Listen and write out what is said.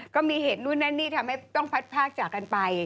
ก็มีเหตุนู่นนั่นนี่ทำให้ต้องพัดภาคจากกันไป